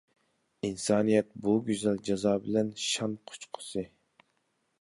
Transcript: ئىنسانىيەت بۇ گۈزەل جازا بىلەن شان قۇچقۇسى!